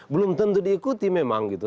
belum tentu diikuti memang gitu